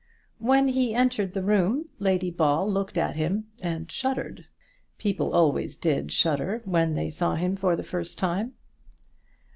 When he entered the room Lady Ball looked at him and shuddered. People always did shudder when they saw him for the first time.